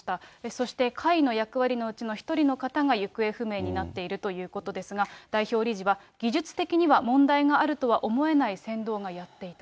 そしてかいの役割のうちの１人の方が行方不明になっているということですが、代表理事は、技術的には問題があるとは思えない船頭がやっている。